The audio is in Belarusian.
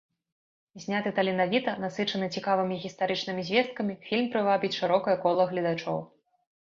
Зняты таленавіта, насычаны цікавымі гістарычнымі звесткамі фільм прывабіць шырокае кола гледачоў.